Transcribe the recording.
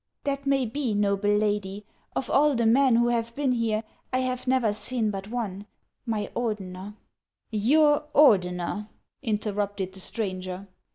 " That may be, noble lady ; of all the men who have been here, I have never seen but one, — my Ordeuer." '•Your Ordener!" interrupted the stranger.